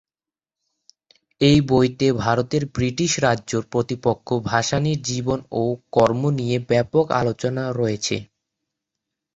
এ বইতে ভারতের ব্রিটিশ রাজ্যের প্রতিপক্ষ ভাসানীর জীবন ও কর্ম নিয়ে ব্যপক আলোচনা রয়েছে।